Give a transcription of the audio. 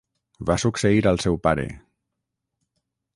Va succeir al seu pare.